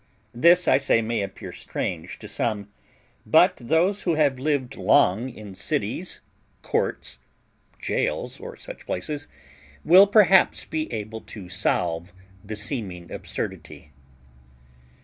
This, I say, may appear strange to some; but those who have lived long in cities, courts, gaols, or such places, will perhaps be able to solve the seeming absurdity.